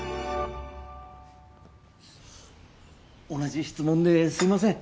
同じ質問ですいません。